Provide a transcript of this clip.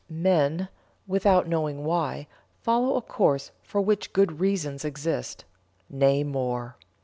Men, without knowing why, follow a course for which good reasons exist. Nay, more.